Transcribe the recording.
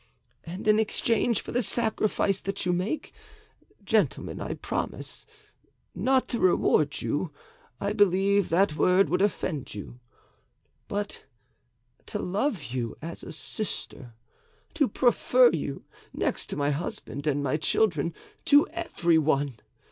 And in exchange for the sacrifice that you make, gentlemen, I promise—not to reward you, I believe that word would offend you—but to love you as a sister, to prefer you, next to my husband and my children, to every one.